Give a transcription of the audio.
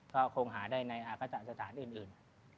ก็คงหาได้ในอาฆาตสถานอื่น